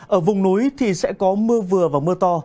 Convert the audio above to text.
ở vùng núi thì sẽ có mưa vừa và mưa to